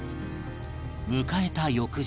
迎えた翌日